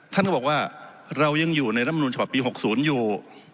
ท่านก็บอกว่าเรายังอยู่ในรัฐมนุนฉบับปี๖๐อยู่